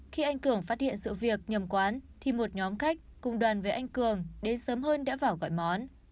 khi anh cường phát hiện sự việc nhầm quán thì một nhóm khách cùng đoàn với anh cường đến sớm hơn đã vào gọi món